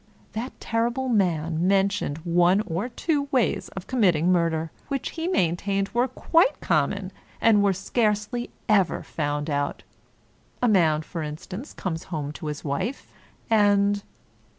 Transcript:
That terrible man men tioned one or two ways of committing murder, which he maintained were quite common, and were scarcely ever found out. A man, for instance, comes home to his wife, and